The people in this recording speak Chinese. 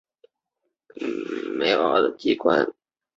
这通常是指产品的翻译以及当地特色的加入。